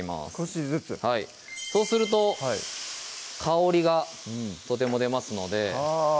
少しずつそうすると香りがとても出ますのであぁ